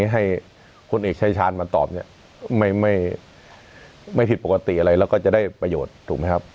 ให้คนเอกชายชาญมาตอบเนี่ยไม่ผิดปกติอะไรแล้วก็จะได้ประโยชน์ถูกไหมครับ